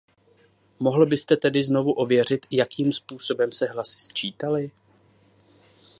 Mohl byste tedy znovu ověřit, jakým způsobem se hlasy sčítaly?